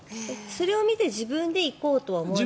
それを見て自分で行こうとは。